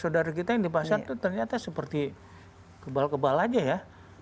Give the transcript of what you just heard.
saudara kita yang di pasar itu ternyata seperti kebal kebal aja ya